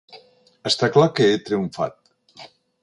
Està clar que he triomfat.